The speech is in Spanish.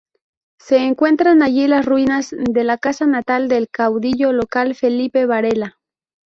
Se encuentran allí las ruinas de la casa natal del caudillo local Felipe Varela.